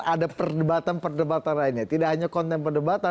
alfira khedunisa jakarta